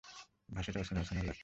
ভাষাটা অচেনা অচেনা লাগছে!